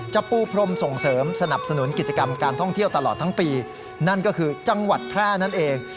ปูพรมส่งเสริมสนับสนุนกิจกรรมการท่องเที่ยวตลอดทั้งปีนั่นก็คือจังหวัดแพร่นั่นเอง